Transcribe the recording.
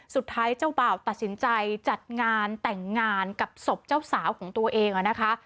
เจ้าบ่าวตัดสินใจจัดงานแต่งงานกับศพเจ้าสาวของตัวเองนะคะ